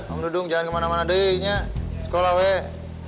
om dudung jangan kemana mana deh nya sekolah weh